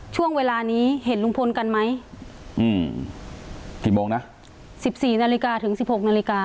ช่วงเวลานี้เห็นลุงพลกันไหมอืมกี่โมงนะสิบสี่นาฬิกาถึงสิบหกนาฬิกา